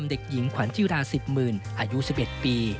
เด็กหญิงขวัญจิรา๑๐หมื่นอายุ๑๑ปี